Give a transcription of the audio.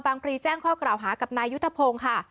บางปรีแจ้งข้ากราวฮากับนายศพงษ์ค่ะ